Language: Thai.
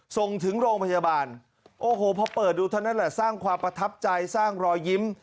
ส่งถึงโรงพยาบาลโอ้โหพอเปิดดูเท่านั้นแหละสร้างความประทับใจสร้างรอยยิ้ม